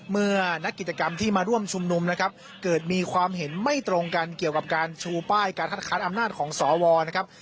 เมื่อนักกิจกรรมที่มาร่วมชุมนุมนะครับเกิดมีความเห็นไม่ตรงกันเกี่ยวกับการชูป้ายการคัดค้านอำนาจของสวนะครับ